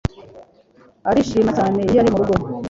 Arishima cyane iyo ari murugo.